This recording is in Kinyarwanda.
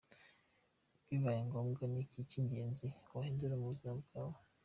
Bibaye ngombwa ni iki cy’ingenzi wahindura mu buzima bwawe?.